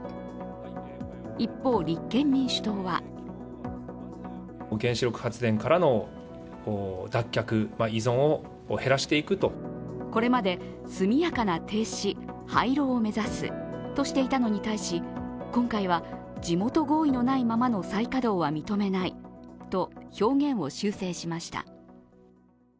一方、立憲民主党はこれまで速やかな停止・廃炉を目指すとしていたのに対し今回は、地元合意のないままの再稼働は認めないと表現を修正しました。